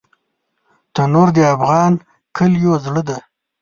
تنور د افغان کلیو زړه دی